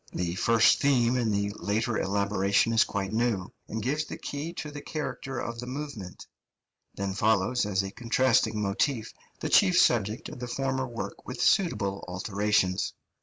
The first theme in the later elaboration is quite new, and gives the key to the character of the movement; then follows as a contrasting motif the chief subject of the former work with suitable alterations.